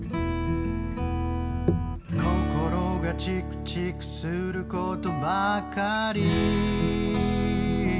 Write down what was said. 「心がチクチクすることばかり」